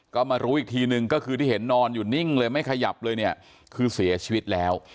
ก็มารู้อีกทีนึงก็คือที่เห็นนอนอยู่นิ่งเลยไม่ขยับเลยเนี่ยคือเสียชีวิตแล้ว